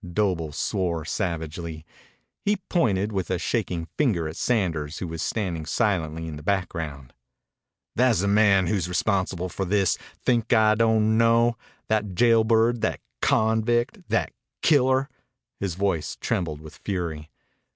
Doble swore savagely. He pointed with a shaking finger at Sanders, who was standing silently in the background. "Tha's the man who's responsible for this. Think I don't know? That jail bird! That convict! That killer!" His voice trembled with fury.